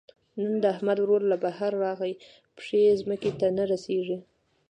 نن د احمد ورور له بهر راغی؛ پښې ځمکې ته نه رسېږي.